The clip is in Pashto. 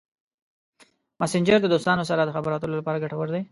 مسېنجر د دوستانو سره د خبرو اترو لپاره ګټور دی.